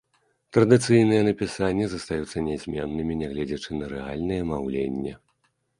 Традыцыйныя напісанні застаюцца нязменнымі, нягледзячы на рэальнае маўленне.